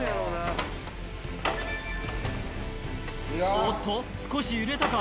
おっと少し揺れたか？